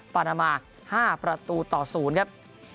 ปาลามาห้าประตูต่อศูนย์ครับ